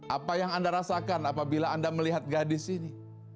apa yang anda rasakan apabila anda melihat gadis ini